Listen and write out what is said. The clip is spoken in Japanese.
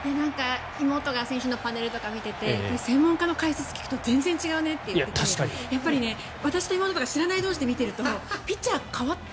妹が先週のパネルとか見てて専門家の解説を聞くと全然違うねって言っていて私と妹の知らない同士で見ているとピッチャー代わった？